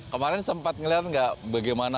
kemarin sempat ngelihat nggak bagaimana